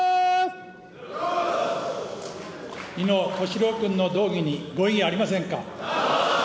井野俊郎君の動議にご異議ありませんか。